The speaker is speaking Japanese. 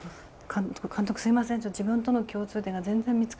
「監督すいません自分との共通点が全然見つからないです。